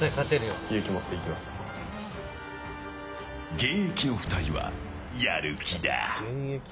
現役の２人はやる気だ。